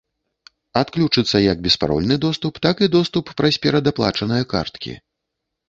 Адключыцца як беспарольны доступ, так і доступ праз перадаплачаныя карткі.